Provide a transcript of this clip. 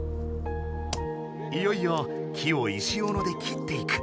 いよいよ木を石オノで切っていく。